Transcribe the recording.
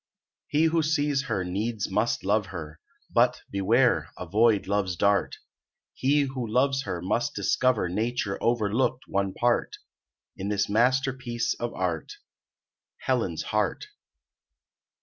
He who sees her needs must love her: But, beware! avoid love's dart! He who loves her must discover Nature overlooked one part, In this masterpiece of art Helen's heart.